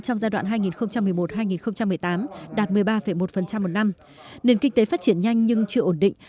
trong giai đoạn hai nghìn một mươi một hai nghìn một mươi tám đạt một mươi ba một một năm nền kinh tế phát triển nhanh nhưng chưa ổn định